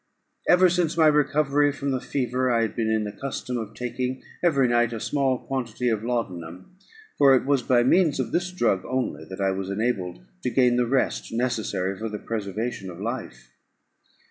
Ever since my recovery from the fever, I had been in the custom of taking every night a small quantity of laudanum; for it was by means of this drug only that I was enabled to gain the rest necessary for the preservation of life.